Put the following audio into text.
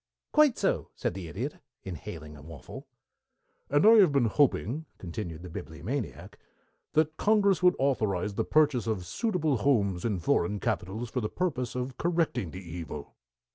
"Quite so," said the Idiot, inhaling a waffle. "And I have been hoping," continued the Bibliomaniac, "that Congress would authorize the purchase of suitable houses in foreign capitals for the purpose of correcting the evil."